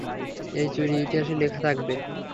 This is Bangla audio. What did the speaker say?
এই চুরি, ইতিহাসে লেখা থাকবে।